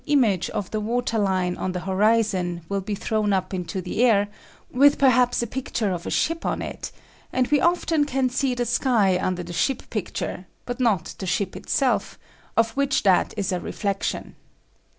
199 image of the water line on the horizon will be thrown up into the air with perhaps a picture of a ship on it, and we often can see the sky under the ship picture, but not the ship itself, of which that is a reflection.